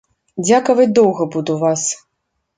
Дзякаваць доўга буду вас.